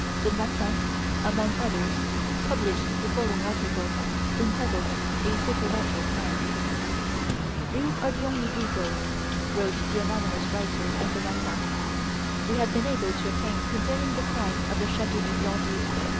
The "Matin," among others, published the following article, entitled: "A Supernatural Crime": "These are the only details," wrote the anonymous writer in the "Matin" "we have been able to obtain concerning the crime of the Chateau du Glandier.